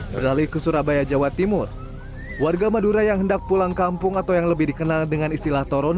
beralih ke surabaya jawa timur warga madura yang hendak pulang kampung atau yang lebih dikenal dengan istilah toron